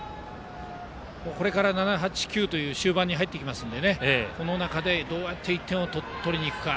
これから７、８、９という終盤に入ってきますのでこの中でどうやって１点を取りにいくか。